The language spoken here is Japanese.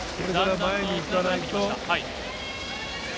前に行かないと。